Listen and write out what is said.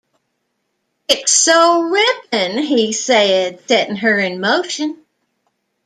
“It’s so ripping!” he said, setting her in motion.